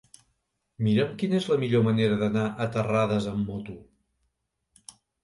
Mira'm quina és la millor manera d'anar a Terrades amb moto.